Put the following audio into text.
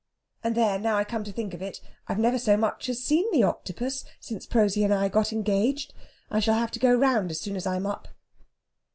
And there, now I come to think of it, I've never so much as seen the Octopus since Prosy and I got engaged. I shall have to go round as soon as I'm up.